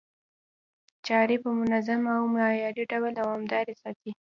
چاري په منظم او معياري ډول دوامداره ساتي،